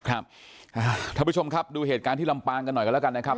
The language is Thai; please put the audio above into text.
ท่านผู้ชมครับดูเหตุการณ์ที่ลำปางกันหน่อยกันแล้วกันนะครับ